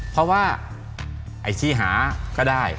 เพราะว่าไอ้ที่หาก็ได้